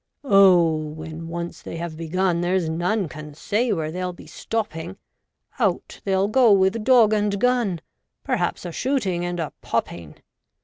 Oh ! when once they have begun, there's none can say where they'll be stopping — Out they'll go with dog and gun ; perhaps a shooting and a popping.